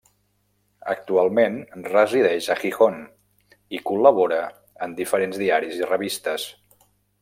Actualment resideix a Gijón i col·labora en diferents diaris i revistes.